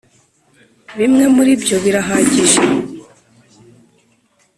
bimwe muri byo birahagije .